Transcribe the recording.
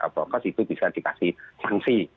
prokes itu bisa dikasih sanksi